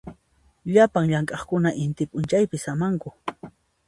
Llapan llamk'aqkuna inti p'unchaypi samanku.